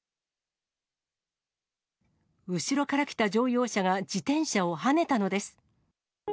後ろから来た乗用車が自転車をはねたのです。